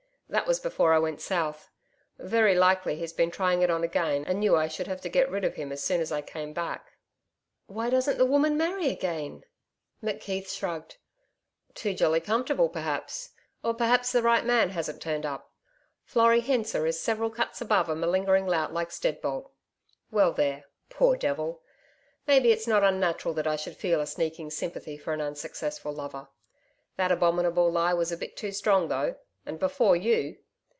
That was before I went south. Very likely he's been trying it on again, and knew I should have to get rid of him as soon as I came back.' 'Why doesn't the woman marry again?' McKeith shrugged. 'Too jolly comfortable perhaps or perhaps the right man hasn't turned up. Florrie Hensor is several cuts above a malingering lout like Steadbolt. Well there, poor devil! Maybe, it's not unnatural that I should feel a sneaking sympathy for an unsuccessful lover. That abominable lie was a bit too strong though and before you!